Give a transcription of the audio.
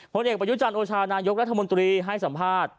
ผลเอกประยุจันทร์โอชานายกรัฐมนตรีให้สัมภาษณ์